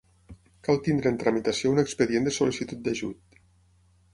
Cal tenir en tramitació un expedient de sol·licitud d'ajut.